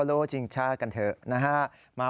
เรื่องราวของเราก็มา